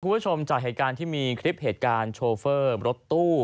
คุณผู้ชมจากเหตุการณ์ที่มีคลิปเหตุการณ์โชเฟอร์รถตู้